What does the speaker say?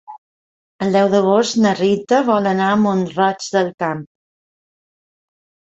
El deu d'agost na Rita vol anar a Mont-roig del Camp.